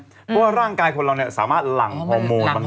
เพราะว่าร่างกายคนเราสามารถหลั่งฮอร์โมนมาได้